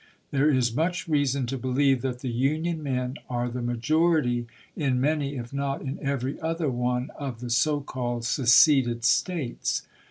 There is much reason to believe that the Union men are the majority in many, if not in every other one, of the so called seceded States.